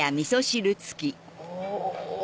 お！